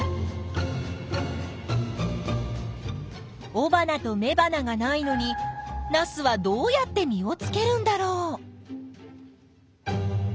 おばなとめばながないのにナスはどうやって実をつけるんだろう？